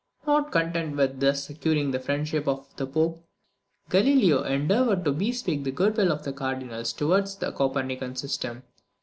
Not content with thus securing the friendship of the Pope, Galileo endeavoured to bespeak the good will of the Cardinals towards the Copernican system.